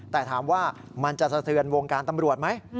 แต่ถามว่ามันจะเสถือนวงการตำรวจมั้ย